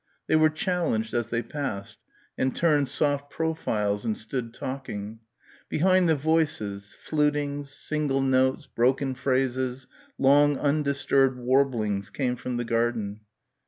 They were challenged as they passed and turned soft profiles and stood talking. Behind the voices, flutings, single notes, broken phrases, long undisturbed warblings came from the garden.